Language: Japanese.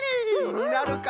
きになるか。